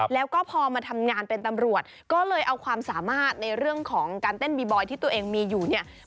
แล้วก็พอมาทำงานเป็นตำรวจก็เลยเอาความสามารถในเรื่องของการเต้นบีบอยที่ตัวเองมีอยู่เนี่ย